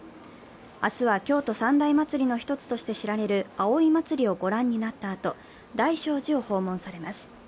明日は京都三大祭の１つとして知られる葵祭をご覧になったあと、大聖寺を訪問されます。